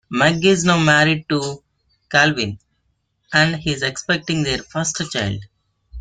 Meg is now married to Calvin and is expecting their first child.